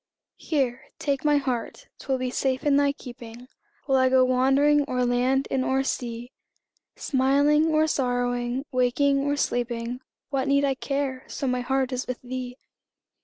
Here, take my heart 'twill be safe in thy keeping, While I go wandering o'er land and o'er sea; Smiling or sorrowing, waking or sleeping, What need I care, so my heart is with thee?